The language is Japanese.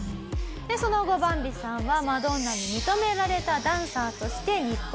その後バンビさんはマドンナに認められたダンサーとして日本へ帰国。